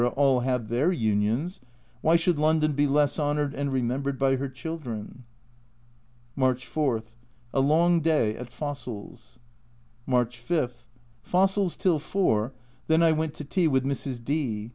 all have their Unions, why should London be less honoured and remembered by her children ? March 4. A long day at fossils. March 5. Fossils till 4 then I went to tea with Mrs. D